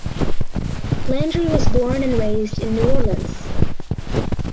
Landry was born and raised in New Orleans.